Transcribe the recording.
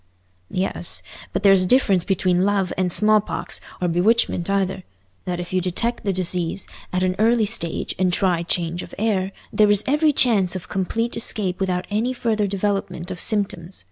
"Yes; but there's this difference between love and smallpox, or bewitchment either—that if you detect the disease at an early stage and try change of air, there is every chance of complete escape without any further development of symptoms.